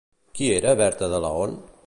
Qui era Berta de Laon?